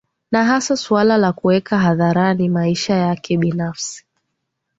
Na hasa suala la kuweka hadharani maisha yake binafsi